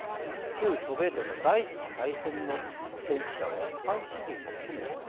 旧ソビエトの第二次大戦の戦死者は一般市民も含めて２，６００万人。